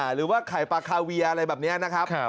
หรือว่าไข่ปลาคาเวียอะไรแบบนี้นะครับ